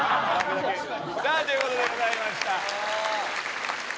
さあということでございました。